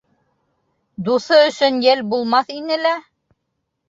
Дуҫы өсөн йәл булмаҫ ине лә.